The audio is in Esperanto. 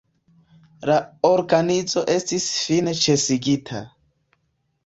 La organizo estis fine ĉesigita.